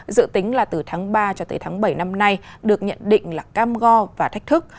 dự tính là từ tháng ba cho tới tháng bảy năm nay được nhận định là cam go và thách thức